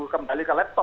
kembali ke laptop